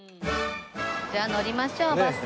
じゃあ乗りましょうバスに。